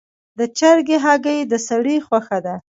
د چرګې هګۍ د سړي خوښه ده.